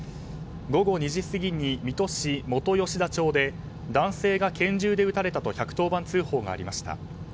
午後２時過ぎに水戸市元吉田町で男性が拳銃で撃たれたと１１０番通報がありました。